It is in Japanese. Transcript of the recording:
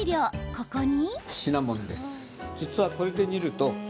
ここに。